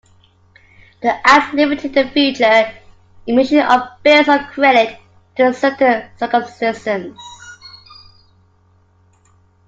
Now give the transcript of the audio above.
The Act limited the future emission of bills of credit to certain circumstances.